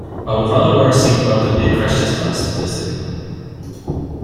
I would rather wear a seatbelt than be a crash test dummy statistic.